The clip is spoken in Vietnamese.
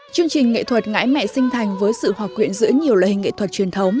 chương trình nghệ thuật ngãi mẹ sinh thành với sự hòa quyện giữa nhiều lời nghệ thuật truyền thống